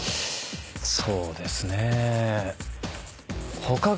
そうですね。